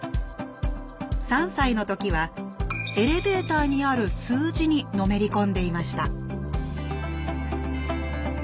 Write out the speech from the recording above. ３歳の時はエレベーターにある数字にのめり込んでいました